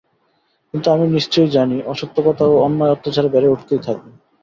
কিন্তু আমি নিশ্চয় জানি, অসত্য কথা ও অন্যায় অত্যাচার বেড়ে উঠতেই থাকবে।